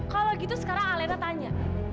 kalau begitu sekarang elena tanya